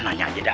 nanya aja dah